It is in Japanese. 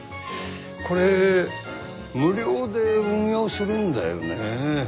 これ無料で運用するんだよね？